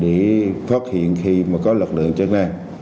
để phát hiện khi có lực lượng chất năng